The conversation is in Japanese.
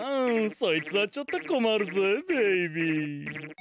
そいつはちょっとこまるぜベイビー。